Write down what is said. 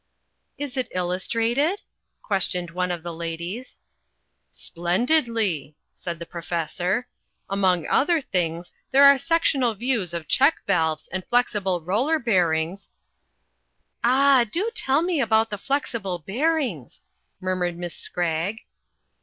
"Is it illustrated?" questioned one of the ladies. "Splendidly," said the professor. "Among other things there are sectional views of check valves and flexible roller bearings " "Ah, do tell me about the flexible bearings," murmured Miss Scragg.